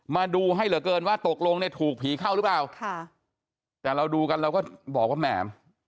มาดูให้เหลือเกินว่าตกลงเนี่ยถูกผีเข้าหรือเปล่าค่ะแต่เราดูกันเราก็บอกว่าแหม